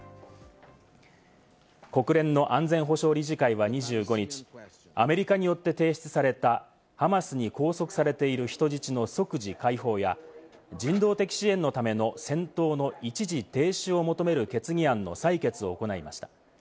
国連の安全保障理事会は２５日、アメリカによって提出されたハマスに拘束されている人質の即時解放や人道的支援のための戦闘の一時停止を求める決議案の採決を行いました。